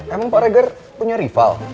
emang pak reger punya rival